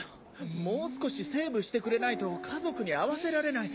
もう少しセーブしてくれないと家族に会わせられない。